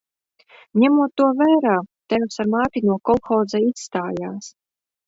Ņemot to vērā, tēvs ar māti no kolhoza izstājās.